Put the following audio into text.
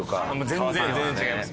全然全然違います。